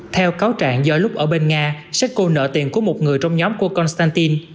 theo cáo trạng do lúc ở bên nga setsko nợ tiền của một người trong nhóm của konstantin